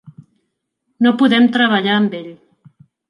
No podem treballar amb ell.